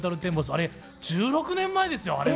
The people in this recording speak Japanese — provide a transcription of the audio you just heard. あれ１６年前ですよあれ。